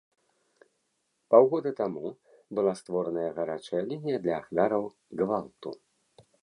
Паўгода таму была створаная гарачая лінія для ахвяраў гвалту.